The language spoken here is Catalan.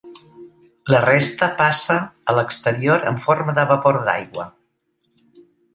La resta passa a l'exterior en forma de vapor d'aigua.